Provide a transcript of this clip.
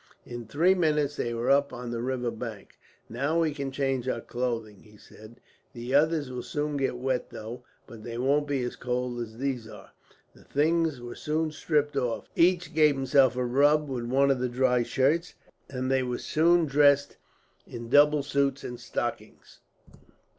In three minutes they were up on the river bank. "Now we can change our clothes," he said. "The others will soon get wet through, but they won't be as cold as these are." The things were soon stripped off. Each gave himself a rub with one of the dry shirts, and they were soon dressed in the double suits and stockings.